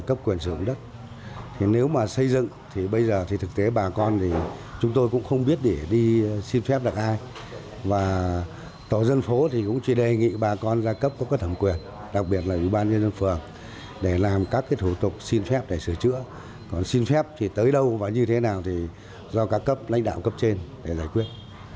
các thủ tục xin phép để sửa chữa còn xin phép thì tới đâu và như thế nào thì do các cấp lãnh đạo cấp trên để giải quyết